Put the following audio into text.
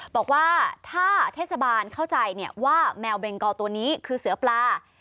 บอกว่าถ้าเทศบาลเข้าใจว่าแมวเบงกอตัวนี้คือเสือปลา